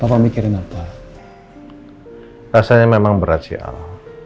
bapak mikirin apa rasanya memang berhasil